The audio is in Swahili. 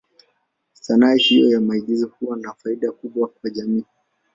Sanaa hiyo ya maigizo huwa na faida kubwa kwa jamii.